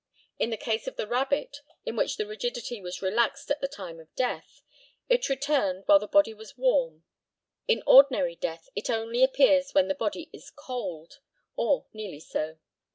In the case of the rabbit, in which the rigidity was relaxed at the time of death, it returned while the body was warm. In ordinary death it only appears when the body is cold, or nearly so.